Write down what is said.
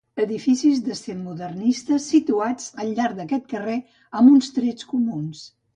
Edificis d'estil modernista, situats al llarg d'aquest carrer, amb uns trets comuns.